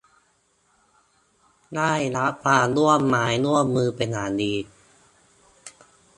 ได้รับความร่วมไม้ร่วมมือเป็นอย่างดี